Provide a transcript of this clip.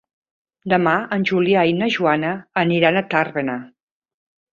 Demà en Julià i na Joana aniran a Tàrbena.